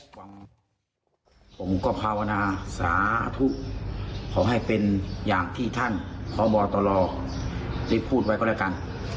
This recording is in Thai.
ผมก็ภาวนาสาธุขอให้เป็นอย่างที่ท่านพบตรได้พูดไว้ก็แล้วกัน